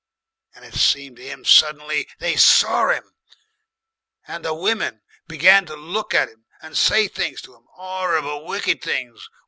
And it seemed to 'im suddenly they saw 'im, and the women began to look at 'im and say things to 'im 'orrible wicked things.